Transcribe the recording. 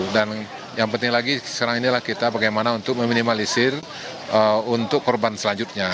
dan yang penting lagi sekarang inilah kita bagaimana untuk meminimalisir untuk korban selanjutnya